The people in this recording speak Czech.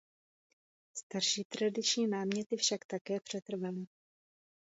Starší tradiční náměty však také přetrvaly.